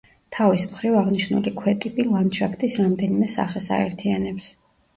თავის მხრივ აღნიშნული ქვეტიპი ლანდშაფტის რამდენიმე სახეს აერთიანებს.